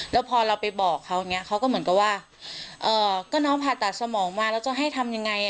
แล้วพอเราไปบอกเขาอย่างนี้เขาก็เหมือนกับว่าก็น้องผ่าตัดสมองมาแล้วจะให้ทำยังไง